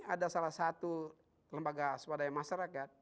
ada salah satu lembaga swadaya masyarakat